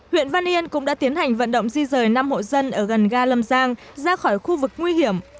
huyện văn yên cũng đã tiến hành vận động di rời năm hộ dân ở gần ga lâm giang ra khỏi khu vực nguy hiểm